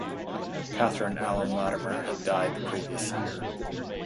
Catherine Allen Latimer had died the previous year.